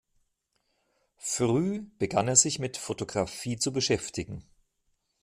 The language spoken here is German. Früh begann er sich mit Fotografie zu beschäftigen.